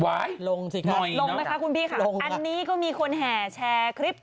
ลงสิครับลงไหมคะคุณพี่ค่ะอันนี้ก็มีคนแห่แชร์คลิป